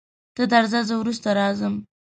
ته درځه زه وروسته راځم.